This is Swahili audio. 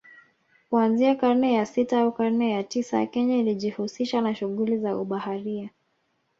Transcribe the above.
Kuanzia karne ya sita au karne ya tisa Kenya ilijihusisha na shughuli za ubaharia